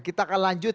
kita akan lanjutkan